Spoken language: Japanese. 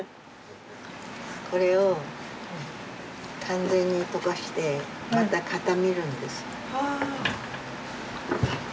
これを完全に溶かしてまた固めるんです。